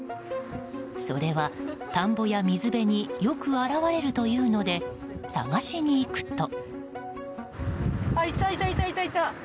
それは田んぼや水辺によく現れるというので探しにいくと。